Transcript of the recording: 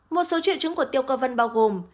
một số triệu chứng của tiêu cơ vân bao gồm